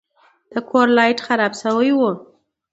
د کور لایټ خراب شوی و.